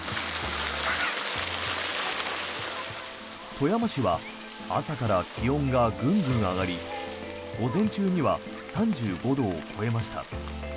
富山市は朝から気温がぐんぐん上がり午前中には３５度を超えました。